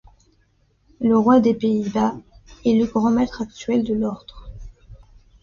Le roi des Pays-Bas est le grand maître actuel de l’ordre.